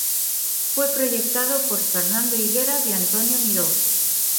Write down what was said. Fue proyectado por Fernando Higueras y Antonio Miró.